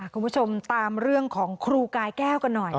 คุณผู้ชมตามเรื่องของครูกายแก้วกันหน่อย